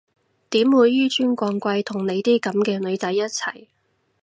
點會紓尊降貴同你啲噉嘅女仔一齊？